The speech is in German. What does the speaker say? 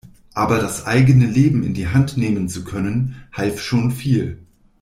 Aber das eigene Leben in die Hand nehmen zu können, half schon viel.